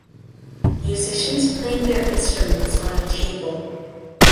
Musicians playing their instruments on a table.